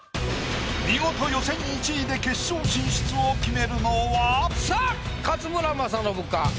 見事予選１位で決勝進出を決めるのは⁉さあ勝村政信か？